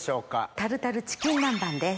タルタルチキン南蛮です。